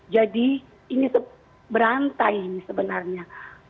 jadi ini berantai ini sebenarnya